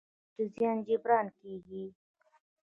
د ږلۍ د زیان جبران کیږي؟